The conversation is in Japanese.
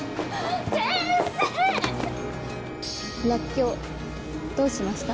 らっきょうどうしました？